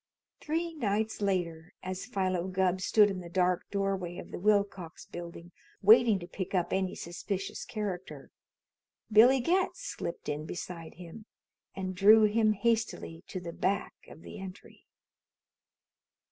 Three nights later, as Philo Gubb stood in the dark doorway of the Willcox Building waiting to pick up any suspicious character, Billy Getz slipped in beside him and drew him hastily to the back of the entry.